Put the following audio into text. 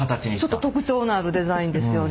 ちょっと特徴のあるデザインですよね。